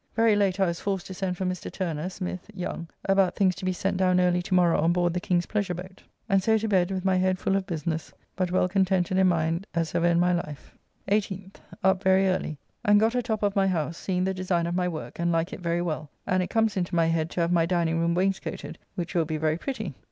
Very late I was forced to send for Mr. Turner, Smith, Young, about things to be sent down early to morrow on board the King's pleasure boat, and so to bed with my head full of business, but well contented in mind as ever in my life. 18th. Up very early, and got a top of my house, seeing the design of my work, and like it very well, and it comes into my head to have my dining room wainscoated, which will be very pretty.